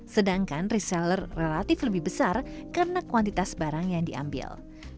sedangkan reseller relatif lebih besar karena kuantitas barang yang diambil